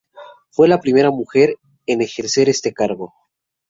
Fue la primera mujer en ejercer este cargo.